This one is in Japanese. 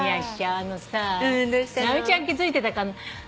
あのさ直美ちゃん気付いてたかな？